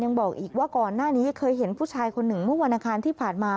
บอกอีกว่าก่อนหน้านี้เคยเห็นผู้ชายคนหนึ่งเมื่อวันอังคารที่ผ่านมา